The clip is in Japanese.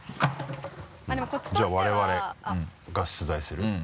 じゃあ我々が出題する？